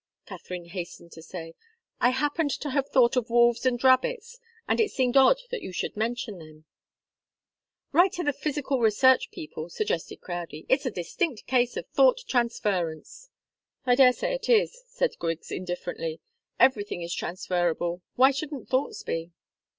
Katharine hastened to say. "I happened to have thought of wolves and rabbits, and it seemed odd that you should mention them." "Write to the Psychical Research people," suggested Crowdie. "It's a distinct case of thought transference." "I daresay it is," said Griggs, indifferently. "Everything is transferable why shouldn't thoughts be?"